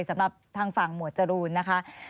สำหรับทางฝั่งหมวดจรูนนะคะ